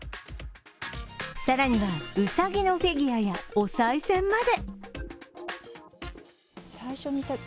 更には、うさぎのフィギュアやおさい銭まで。